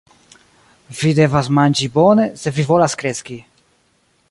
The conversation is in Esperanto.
Vi devas manĝi bone, se vi volas kreski.